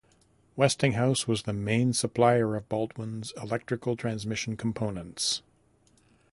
Westinghouse was the main supplier of Baldwin's electrical transmission components.